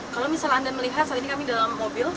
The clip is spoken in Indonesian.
kalau misalnya anda melihat saat ini kami dalam mobil